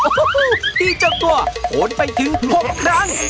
โอ้โฮพี่เจ้ากลัวโผล่ไปถึง๖ครั้ง